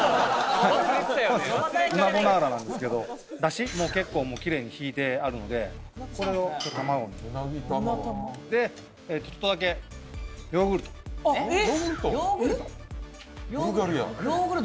はいウナボナーラなんですけどダシも結構もうきれいにひいてあるのでこれを卵にでちょっとだけヨーグルトヨーグルト？